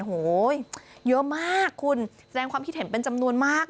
โอ้โหเยอะมากคุณแสดงความคิดเห็นเป็นจำนวนมาก